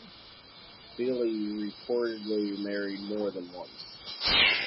Thiele reportedly married more than once.